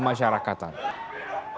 tidak serahkan jawab jawab